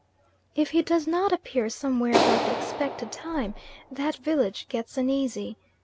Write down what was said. If he does not appear somewhere about the expected time, that village gets uneasy.